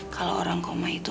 kalau orang koma itu